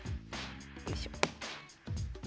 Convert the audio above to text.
よいしょ。